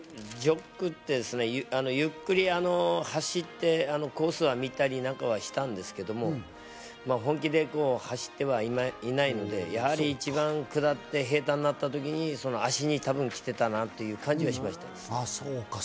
ほとんどジョブっていうか、ゆっくり走って、コースは見たりなんかしたんですけど、本気で走ってはいないので、一番下って、平たんになった時に足に多分来てたなという感じはしました。